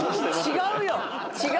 違うよ！